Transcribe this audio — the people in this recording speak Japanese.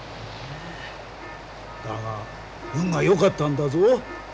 だが運が良かったんだぞ。